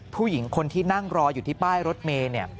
ผู้หญิงคนที่นั่งรออยู่ที่ป้ายรถเมย์